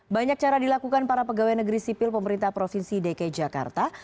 banyak cara dilakukan para pegawai negeri sipil pemerintah provinsi dki jakarta